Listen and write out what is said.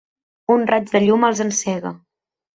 Un raig de llum els encega.